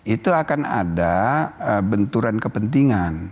itu akan ada benturan kepentingan